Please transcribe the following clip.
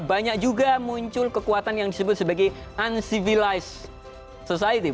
banyak juga muncul kekuatan yang disebut sebagai uncevilized society